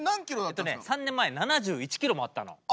えっとね３年前７１キロもあったの。